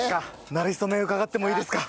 なれ初め伺ってもいいですか？